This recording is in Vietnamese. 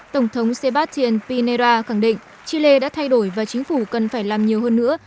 tổng thống sebastián pineda khẳng định chile đã thay đổi và chính phủ cần phải làm nhiều hơn nữa